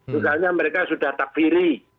misalnya mereka sudah takfiri